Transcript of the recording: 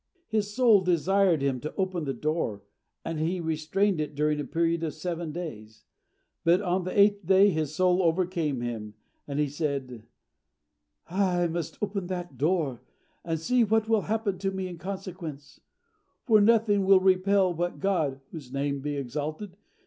His soul desired him to open the door, and he restrained it during a period of seven days; but on the eighth day his soul overcame him, and he said, "I must open that door, and see what will happen to me in consequence; for nothing will repel what God (whose name be exalted!)